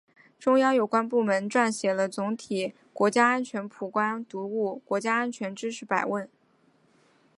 中央有关部门组织编写了总体国家安全观普及读本——《国家安全知识百问》